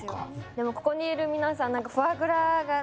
でもここにいる皆さん